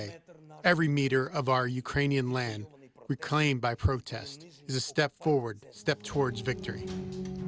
setiap meter tanah ukraina yang kita mencari oleh protes adalah langkah ke depan langkah ke kemenangan